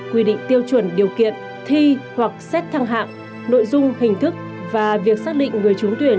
quy định tiêu chuẩn điều kiện thi hoặc xét thăng hạng nội dung hình thức và việc xác định người trúng tuyển